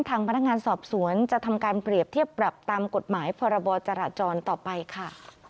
ทางพนักงานสอบสวนจะทำการเปรียบเทียบปรับตามกฎหมายพรบจราจรต่อไปค่ะ